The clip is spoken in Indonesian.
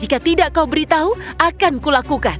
jika tidak kau beritahu akan kulakukan